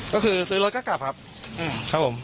ก็คือซื้อรถก็กลับครับ